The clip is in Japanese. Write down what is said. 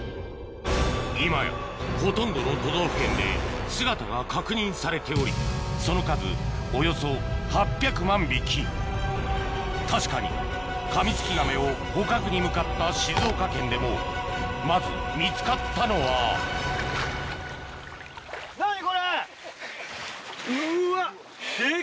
今やほとんどの都道府県で姿が確認されておりその数確かにカミツキガメを捕獲に向かった静岡県でもまず見つかったのはうわ！